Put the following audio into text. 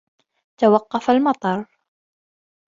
توقّف المطر.